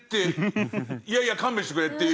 いやいや勘弁してくれっていう。